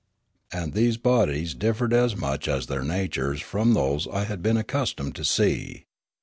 And these bodies differed as much as their natures from those I had been accustomed to see.